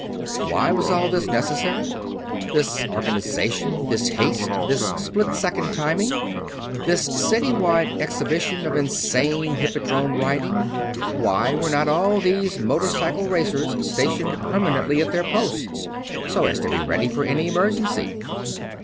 Why was all this necessary? This organization, this haste, this split second timing, this city wide exhibition of insane hippodrome riding? Why were not all these motorcycle racers stationed permanently at their posts, so as to be ready for any emergency?